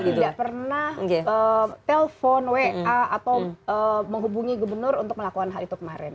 tidak pernah telpon wa atau menghubungi gubernur untuk melakukan hal itu kemarin